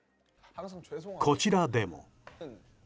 こちらでも。